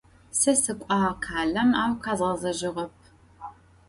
Se sık'uağ khalem, au khezğezejığep.